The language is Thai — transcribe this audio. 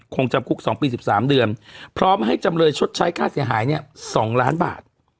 จำคุก๒ปี๑๓เดือนพร้อมให้จำเลยชดใช้ค่าเสียหายเนี่ย๒ล้านบาท